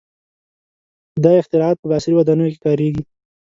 • دا اختراعات په عصري ودانیو کې کارېږي.